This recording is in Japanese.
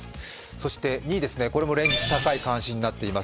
そして２位ですね、これも連日高い関心になっています